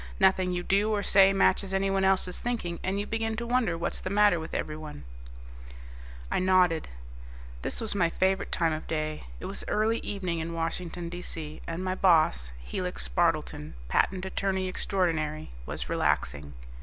Nothing you do or say matches anyone else's thinking, and you begin to wonder what's the matter with everyone." I nodded. This was my favorite time of day. It was early evening in Washington, D.C., and my boss, Helix Spardleton, patent attorney extraordinary, was relaxing.